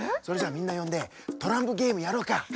それじゃみんなよんでトランプゲームやろうか！